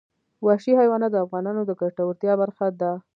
وحشي حیوانات د افغانانو د ګټورتیا برخه ده.